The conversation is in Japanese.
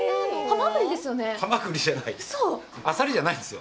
ハマグリじゃないです。